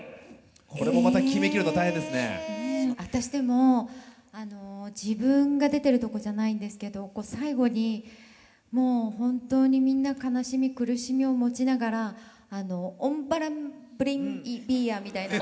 私でもあの自分が出てるとこじゃないんですけど最後にもう本当にみんな悲しみ苦しみを持ちながらオンバランブリンビーヤみたいな。